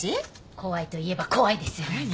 怖いといえば怖いです。